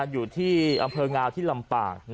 อยู่ที่อำเภองาวที่ลำปาง